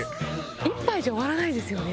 １杯じゃ終わらないですよね